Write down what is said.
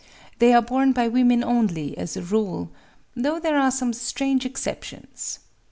They are borne by women only, as a rule,—though there are some strange exceptions...